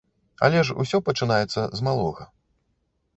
Але ж усё пачынаецца з малога.